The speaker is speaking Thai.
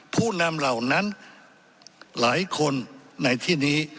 ผู้นำเหล่านั้นหลายคนในที่นี้